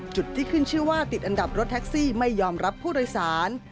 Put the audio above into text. ที่ขึ้นชื่อว่าติดอันดับรถแท็กซี่ไม่ยอมรับผู้โดยสาร